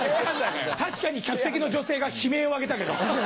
確かに客席の女性が悲鳴を上げたけど。